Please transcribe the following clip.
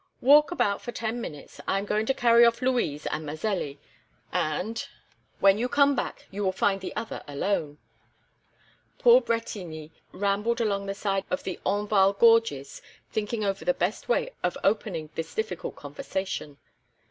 Walk about for ten minutes. I am going to carry off Louise and Mazelli, and, when you come back, you will find the other alone." Paul Bretigny rambled along the side of the Enval gorges, thinking over the best way of opening this difficult conversation.